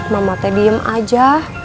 mama teh diem aja